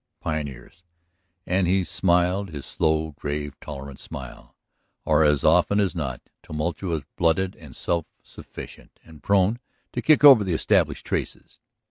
Pioneers," and he smiled his slow, grave, tolerant smile, "are as often as not tumultuous blooded and self sufficient, and prone to kick over the established traces.